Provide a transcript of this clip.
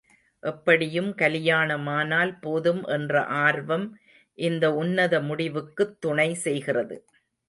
எப்படியும் கலியாணமானால் போதும் என்ற ஆர்வம் இந்த உன்னத முடிவுக்குத் துணை செய்கிறது.